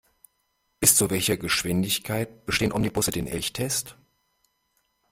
Bis zu welcher Geschwindigkeit bestehen Omnibusse den Elchtest?